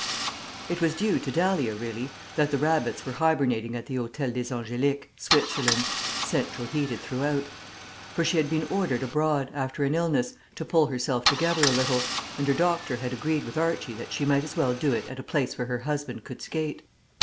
It was due to Dahlia, really, that the Rabbits were hibernating at the Hôtel des Angéliques, Switzerland (central heated throughout); for she had been ordered abroad, after an illness, to pull herself together a little, and her doctor had agreed with Archie that she might as well do it at a place where her husband could skate.